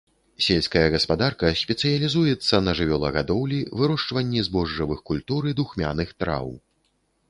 Сельская гаспадарка спецыялізуецца на жывёлагадоўлі, вырошчванні збожжавых культур і духмяных траў.